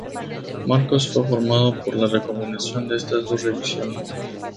Marcos fue formado por la recombinación de estas dos revisiones.